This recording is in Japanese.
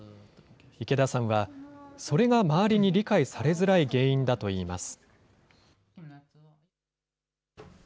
池田さんは、それが周りに理解されづらい原因だといいます。